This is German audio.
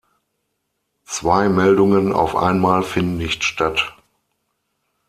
Zwei Meldungen auf einmal finden nicht statt.